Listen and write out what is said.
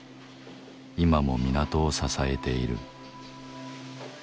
今も港を支えている。